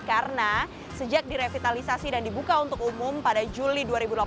karena sejak direvitalisasi dan dibuka untuk umum pada juli dua ribu delapan belas